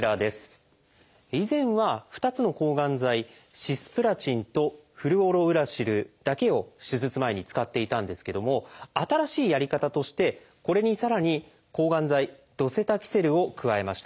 以前は２つの抗がん剤「シスプラチン」と「フルオロウラシル」だけを手術前に使っていたんですけども新しいやり方としてこれにさらに抗がん剤「ドセタキセル」を加えました。